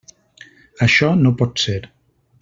Això no pot ser.